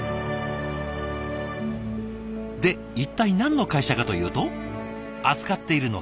で一体何の会社かというと扱っているのがこちら。